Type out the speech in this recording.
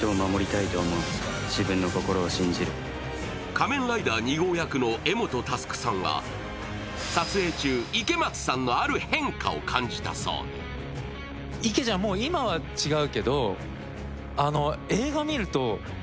仮面ライダー２号役の柄本佑さんは、撮影中、池松さんのある変化を感じたそうでソーニャの声を務めたのは永瀬廉さん。